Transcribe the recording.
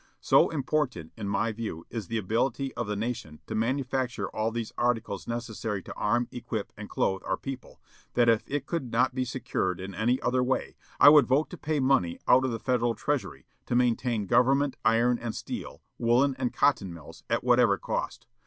So important, in my view, is the ability of the nation to manufacture all these articles necessary to arm, equip, and clothe our people, that if it could not be secured in any other way I would vote to pay money out of the federal treasury to maintain government iron and steel, woollen and cotton mills, at whatever cost.